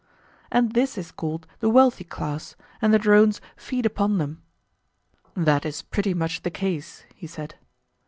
And this is called the wealthy class, and the drones feed upon them. That is pretty much the case, he said.